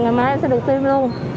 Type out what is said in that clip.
ngày mai em sẽ được tiêm luôn